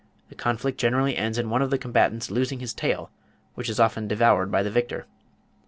The conflict generally ends in one of the combatants losing his tail, which is often devoured by the victor."